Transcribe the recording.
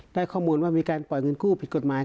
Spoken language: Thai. ได้ข้อมูลว่ามีการปล่อยเงินกู้ผิดกฎหมาย